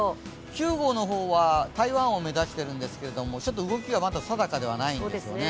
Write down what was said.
９号の方は台湾を目指してるんですが、まだ動きが定かではないんですね。